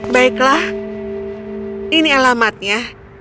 baiklah ini alamatnya